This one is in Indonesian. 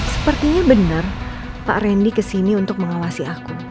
sepertinya benar pak randy kesini untuk mengawasi aku